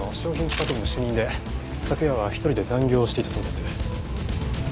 企画部の主任で昨夜は１人で残業をしていたそうです。